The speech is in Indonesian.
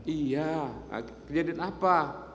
iya kejadian apa